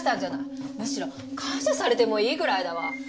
むしろ感謝されてもいいぐらいだわ。